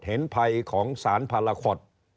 เห็นภัยของสารพาราคอต